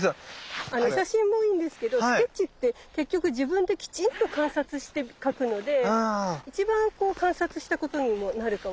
写真もいいんですけどスケッチって結局自分できちんと観察して描くので一番観察したことにもなるかもしれない。